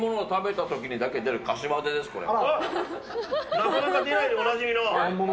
なかなか出ないでおなじみの。